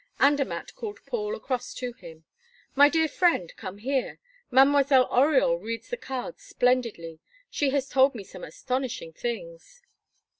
Andermatt called Paul across to him: "My dear friend come here! Mademoiselle Oriol reads the cards splendidly; she has told me some astonishing things!"